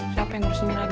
siapa yang ngurusinnya lagi